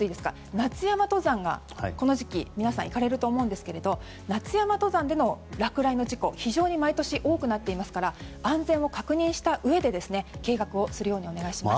夏山登山に、この時期皆さん、行かれると思うんですが夏山登山でも落雷の事故非常に毎年多くなっていますから安全を確認したうえで計画するようにお願いします。